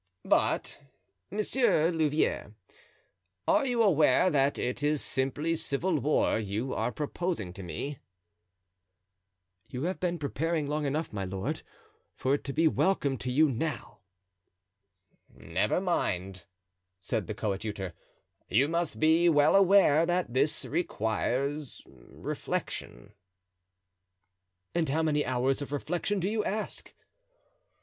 "But, Monsieur Louvieres, are you aware that it is simply civil war you are proposing to me?" "You have been preparing long enough, my lord, for it to be welcome to you now." "Never mind," said the coadjutor; "you must be well aware that this requires reflection." "And how many hours of reflection do you ask?"